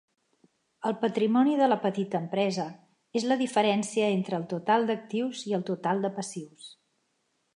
El patrimoni de la petita empresa és la diferència entre el total d'actius i el total de passius.